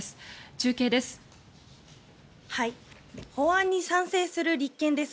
中継です。